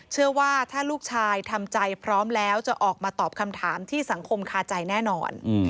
เชื่อว่าถ้าลูกชายทำใจพร้อมแล้วจะออกมาตอบคำถามที่สังคมคาใจแน่นอน